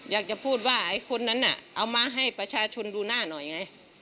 อยากจะพูดว่าไอ้คนนั้นน่ะเอามาให้ประชาชนดูหน้าหน่อยไง